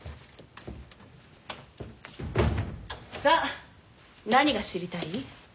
さあ何が知りたい？